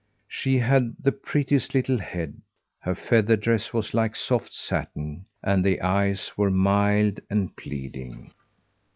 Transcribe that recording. She had the prettiest little head; her feather dress was like soft satin, and the eyes were mild and pleading.